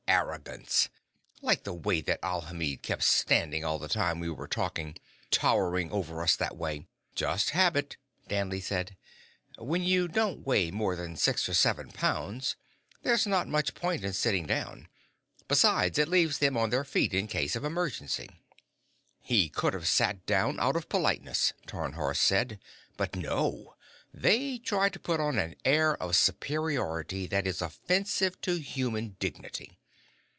"Arrogance. Like the way that Alhamid kept standing all the time we were talking, towering over us that way." "Just habit," Danley said. "When you don't weigh more than six or seven pounds, there's not much point in sitting down. Besides, it leaves them on their feet in case of emergency." "He could have sat down out of politeness," Tarnhorst said. "But no. They try to put on an air of superiority that is offensive to human dignity."